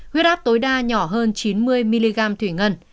huyết áp tối đa nhỏ hơn chín mươi mg thủy ngân